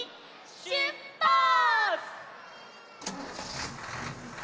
しゅっぱつ！